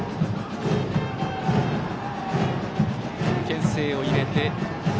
けん制を入れて。